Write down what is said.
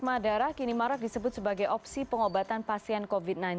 plasma darah kini marak disebut sebagai opsi pengobatan pasien covid sembilan belas